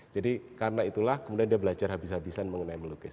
jadi karena itulah kemudian dia belajar habis habisan mengenai pelukis